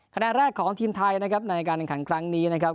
คะแนนแรกของทีมไทยนะครับในการแข่งขันครั้งนี้นะครับ